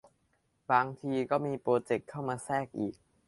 บางทีก็จะมีโปรเจกต์เข้ามาแทรกอีก